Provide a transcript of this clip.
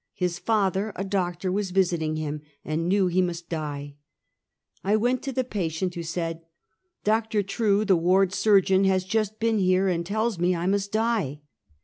His father, a doctor, was visiting him, and knew he must die. I went to the patient, who said: " Dr. True, the ward surgeon has just been here, and tells me I must die!"